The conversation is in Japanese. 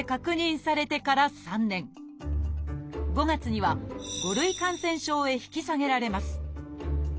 ５月には５類感染症へ引き下げられます。